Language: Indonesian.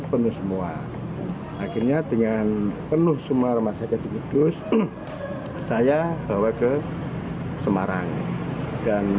penuh semua akhirnya dengan penuh semua rumah sakit di kudus saya bawa ke semarang dan